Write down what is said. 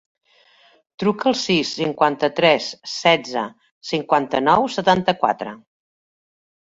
Truca al sis, cinquanta-tres, setze, cinquanta-nou, setanta-quatre.